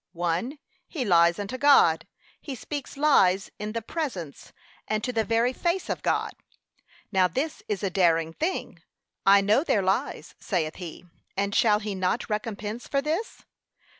1. He lies unto God: he speaks lies in the presence, and to the very face of God. Now this is a daring thing: I know their lies, saith he; and shall he not recompense for this?